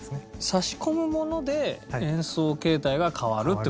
差し込むもので演奏形態が変わるっていう事。